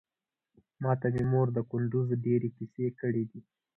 ماته مې مور د کندوز ډېرې کيسې کړې دي.